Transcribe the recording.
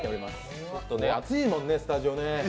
暑いもんね、スタジオね。